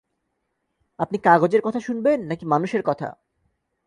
আপনি কাগজের কথা শুনবেন নাকি মানুষের কথা?